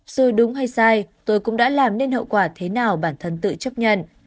rồi đúng hay sai tôi cũng đã làm nên hậu quả thế nào bản thân tự chấp nhận